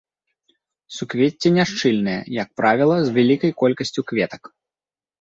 Суквецце няшчыльнае, як правіла, з вялікай колькасцю кветак.